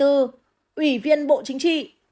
ủy viên bộ chính trị